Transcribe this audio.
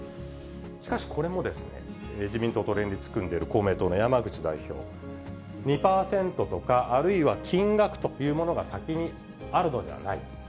しかし、これも自民党と連立を組んでいる公明党の山口代表、２％とかあるいは金額というものが先にあるのではない。